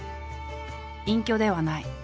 隠居ではない。